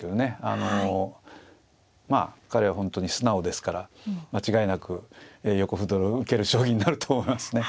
あのまあ彼は本当に素直ですから間違いなく横歩取りを受ける将棋になると思いますね。